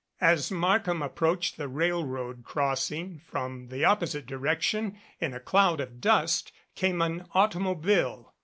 As Markham approached the railroad crossing, from 102 THE GATES OF CHANCE the opposite direction, in a cloud of dust, came an auto mobile.